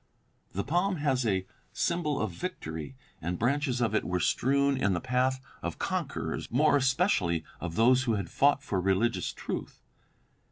The palm was a symbol of victory, and branches of it were strewn in the path of conquerors, more especially of those who had fought for religious truth.